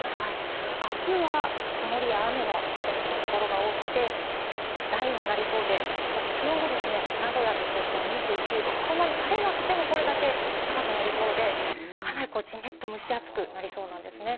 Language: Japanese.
あすは曇りや雨の天気のところが多くて雷雨になりそうで、気温が名古屋、東京、２９度、そんなに晴れなくても、これだけ高くなりそうで、かなり、じめっと蒸し暑くなりそうです。